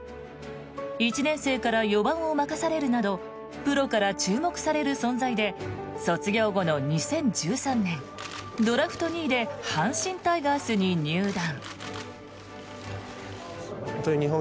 １年生から４番を任されるなどプロから注目される存在で卒業後の２０１３年ドラフト２位で阪神タイガースに入団。